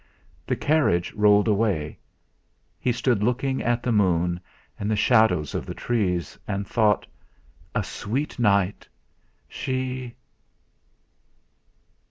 The carriage rolled away. He stood looking at the moon and the shadows of the trees, and thought: 'A sweet night! She...!'